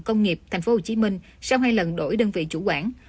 công nghiệp tp hcm sau hai lần đổi đơn vị chủ quản